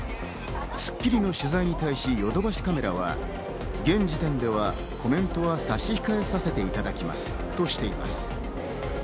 『スッキリ』の取材に対しヨドバシカメラは、現時点ではコメントは差し控えさせていただきますとしています。